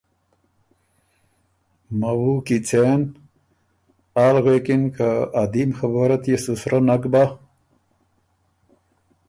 مَوُو کی څېن؟“ آل غوېکِن که ا دیم خبُره تيې سو سرۀ نک بۀ؟